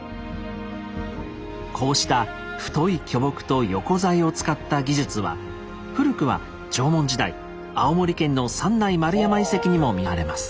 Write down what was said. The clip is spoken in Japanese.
こうした太い巨木と横材を使った技術は古くは縄文時代青森県の三内丸山遺跡にも見られます。